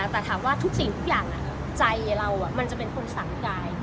แต่ถามว่าทุกสิ่งทุกอย่างใจเรามันจะเป็นคนสั่งกาย